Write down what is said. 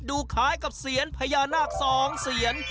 ดูคล้ายกับเสียงพญานาคสองเสียน